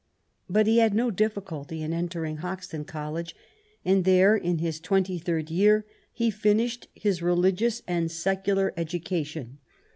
But he had no difSculty in entering Hoxton College ; and here, in his twenty third year, he finished his religious and secular education.